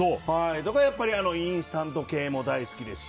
インスタント系も大好きですし。